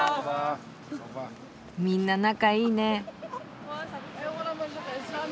みんな仲いいね。